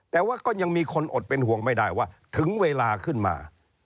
แต่ว่าก็ยังมีคนอดเป็นห่วงไม่ได้ว่าถึงเวลาขึ้นมา